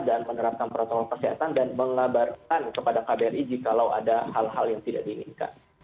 dan menerapkan protokol kesehatan dan mengabarkan kepada kbri jika ada hal hal yang tidak diinginkan